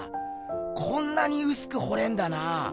こんなにうすくほれんだなぁ。